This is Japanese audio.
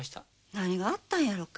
何があったんやろか？